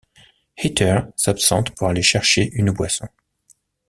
Heather s'absente pour aller chercher une boisson.